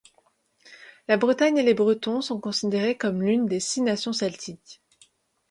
La Bretagne et les Bretons sont considérés comme l’une des six nations celtiques.